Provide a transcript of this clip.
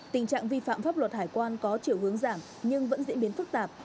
tình trạng vi phạm pháp luật hải quan có chiều hướng giảm nhưng vẫn diễn biến phức tạp